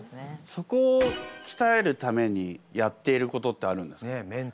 そこをきたえるためにやっていることってあるんですか？